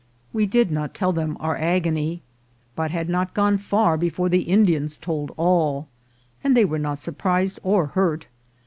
We did not tell them our agony, but had not gone far before the Indians told all ; and they were not surprised or hurt.